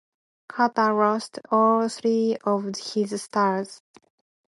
Carter lost all three of his starts.